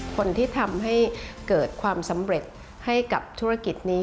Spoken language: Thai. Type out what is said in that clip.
คนที่ทำให้เกิดความสำเร็จให้กับธุรกิจนี้